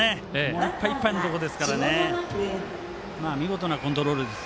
いっぱいいっぱいのところですから見事なコントロールです。